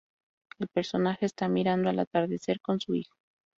El personaje está mirando el atardecer con su hijo.